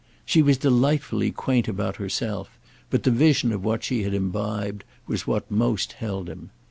She was delightfully quaint about herself, but the vision of what she had imbibed was what most held him.